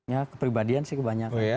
ya kepribadian sih kebanyakan